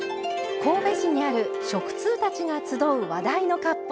神戸市にある食通たちが集う話題の割烹。